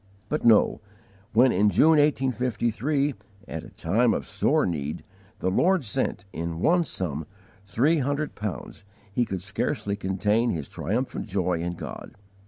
But no. When, in June, 1853, at a time of sore need, the Lord sent, in one sum, three hundred pounds, he could scarcely contain his triumphant joy in God.